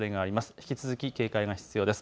引き続き警戒が必要です。